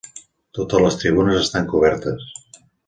Totes les tribunes estan cobertes.